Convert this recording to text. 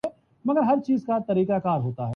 ہم نے اس کا حساب لگا لیا۔